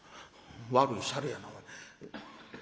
悪いしゃれやな。